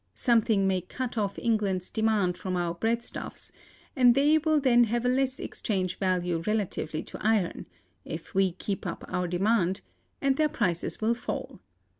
Something may cut off England's demand for our breadstuffs, and they will then have a less exchange value relatively to iron (if we keep up our demand), and their prices will fall.